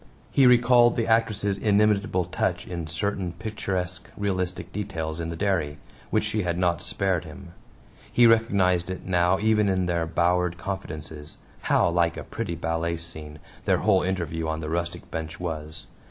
He recalled the actress's inimitable touch in certain picturesque realistic details in the dairy which she had not spared him; he recognized it now even in their bowered confidences (how like a pretty ballet scene their whole interview on the rustic bench was!)